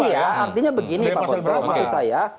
iya artinya begini pak bodro maksud saya